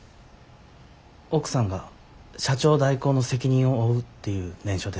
奥さんが社長代行の責任を負うっていう念書です。